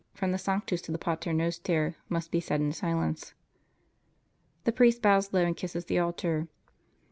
from the Sanctus to the Pater Noster, must be said in silence.] The priest bows low and kisses the altar.